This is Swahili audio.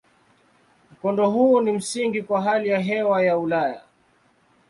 Mkondo huu ni msingi kwa hali ya hewa ya Ulaya.